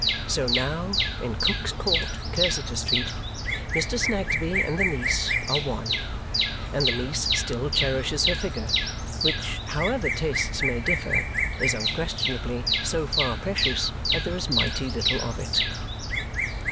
So now, in Cook's Court, Cursitor Street, Mr. Snagsby and the niece are one; and the niece still cherishes her figure, which, however tastes may differ, is unquestionably so far precious that there is mighty little of it.